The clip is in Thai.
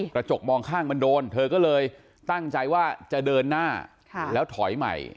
กระจกมองข้างมันโดนเธอก็เลยตั้งใจว่าจะเดินหน้าแล้วถอยใหม่